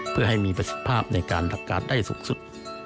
เพื่อให้มีประสิทธิภาพในการทำการได้สูงสุด